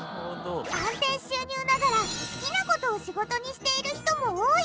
安定収入ながら好きな事を仕事にしている人も多い。